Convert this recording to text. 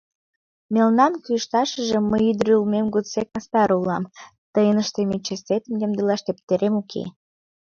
— Мелнам кӱэшташыже мый ӱдыр улмем годсек мастар улам, тыйын ыштыме чесетым ямдылаш тептерем уке.